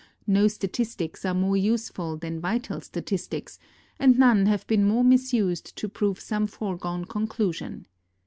No statistics are more useful than vital statistics, and none have been more misused to prove some foregone conclusion.